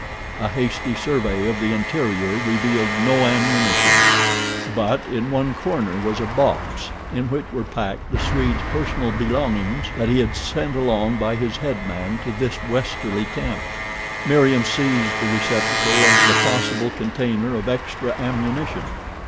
A hasty survey of the interior revealed no ammunition; but in one corner was a box in which were packed the Swede's personal belongings that he had sent along by his headman to this westerly camp. Meriem seized the receptacle as the possible container of extra ammunition.